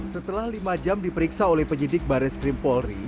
setelah lima jam diperiksa oleh penyidik barreskrim polri